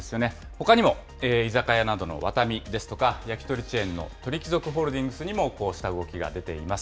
ほかにも、居酒屋などのワタミですとか、焼き鳥チェーンの鳥貴族ホールディングスにもこうした動きが出ています。